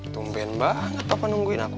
tumpen banget papa nungguin aku